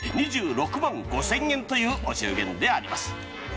しめて２６万５０００円というお中元であります。